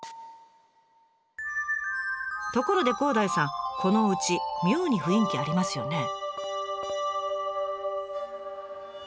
ところで広大さんこのおうち妙に雰囲気ありますよね。